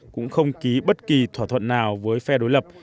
cũng không ký bất kỳ thỏa thuận nào với phe đối lập